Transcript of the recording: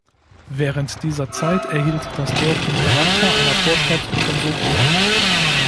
Während dieser Zeit erhielt das Dorf den Charakter einer Vorstadt von Sokolov.